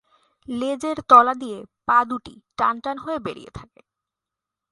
লেজের তলা দিয়ে পা দু'টি টান টান হয়ে বেরিয়ে থাকে।